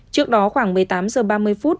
trước đó khoảng một mươi tám h ba mươi phút